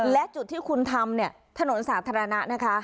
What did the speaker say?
และจุดที่คุณทำเนี่ยถนนสาธารณะนะคะ